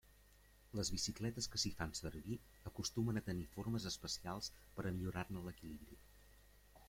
Les bicicletes que s'hi fan servir acostumen a tenir formes especials per a millorar-ne l'equilibri.